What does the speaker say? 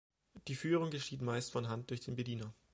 Die Führung geschieht meist von Hand durch den Bediener.